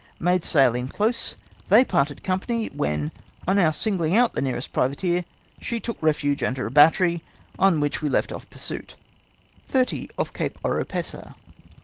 Made sail in chase. They parted com pany ; when, on our singling out the nearest privateer, she took refuge under a battery, on which we left off pursuit. "30. — Off Cape Oropesa.